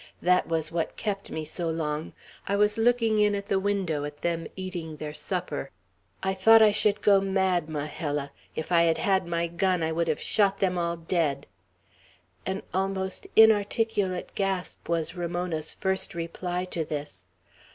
"That was what kept me so long. I was looking in at the window at them eating their supper. I thought I should go mad, Majella. If I had had my gun, I should have shot them all dead!" An almost inarticulate gasp was Ramona's first reply to this.